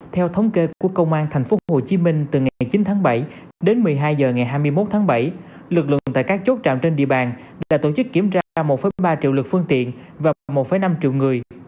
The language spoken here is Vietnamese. theo thống kê của công an tp hcm từ ngày chín tháng bảy đến một mươi hai h ngày hai mươi một tháng bảy lực lượng tại các chốt trạm trên địa bàn đã tổ chức kiểm tra một ba triệu lực phương tiện và một năm triệu người